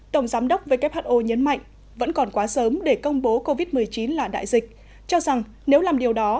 tổng giám đốc who nhấn mạnh vẫn còn quá sớm để công bố covid một mươi chín là đại dịch cho rằng nếu làm điều đó